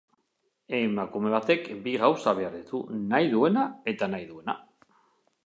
Emakume batek bi gauza behar ditu: nahi duena eta nahi duena.